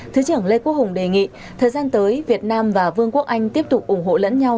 thứ trưởng lê quốc hùng đề nghị thời gian tới việt nam và vương quốc anh tiếp tục ủng hộ lẫn nhau